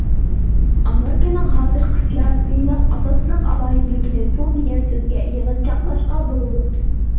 ئامېرىكىنىڭ ھازىرقى سىياسىيسىنىڭ ئاساسلىق ئالاھىدىلىكىنى پۇل دېگەن سۆزگە يىغىنچاقلاشقا بولىدۇ.